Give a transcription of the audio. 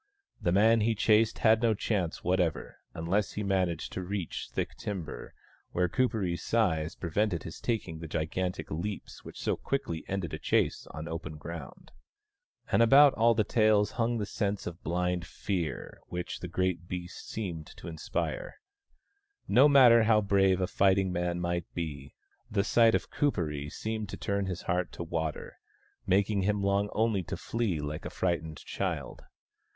The man he chased had no chance whatever, unless he managed to reach thick timber, where Kuperee's size prevented his taking the gigantic leaps which so quickly ended a chase on open ground. And about all the tales hung the sense of blind fear THE STONE AXE OF BURKAMUKK 25 which the great beast seemed to inspire. No matter how brave a fighting man might be, the sight of Kuperee seemed to turn his heart to water, making him long only to flee like a frightened child.